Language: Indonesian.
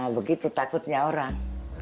begitu takutnya orang